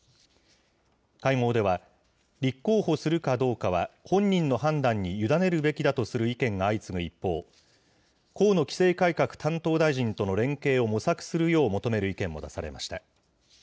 会合では立候補するかどうかは本人の判断に委ねるべきだとする意見が相次ぐ一方、河野規制改革担当大臣との連携を模索するよう求める意見も出されました。